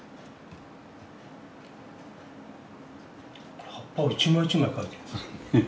これ葉っぱを一枚一枚描いてるんですか？